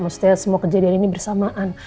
maksudnya semua kejadian ini bersamaan